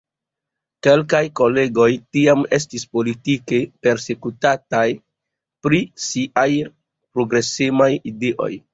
Kelkaj kolegoj tiam estis politike persekutataj pri siaj progresemaj ideoj.